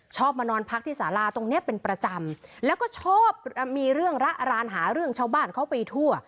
ชอบมานอนพักที่สาราตรงเนี้ยเป็นประจำแล้วก็ชอบมีเรื่องระรานหาเรื่องชาวบ้านเขาไปทั่ว